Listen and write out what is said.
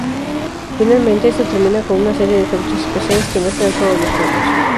Finalmente, este termina con una serie de efectos especiales que mezclan todos los fondos.